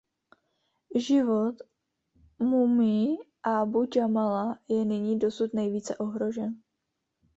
Život Mumii Abu-Jamala je nyní dosud nejvíce ohrožen.